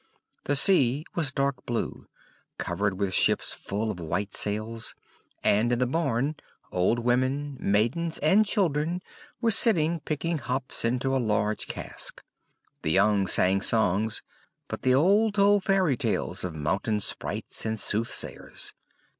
The sea was dark blue, covered with ships full of white sails; and in the barn old women, maidens, and children were sitting picking hops into a large cask; the young sang songs, but the old told fairy tales of mountain sprites and soothsayers.